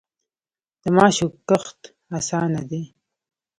د ماشو کښت اسانه دی.